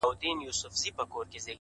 څنگه بيلتون كي گراني شعر وليكم،